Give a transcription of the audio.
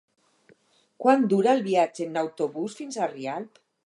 Quant dura el viatge en autobús fins a Rialp?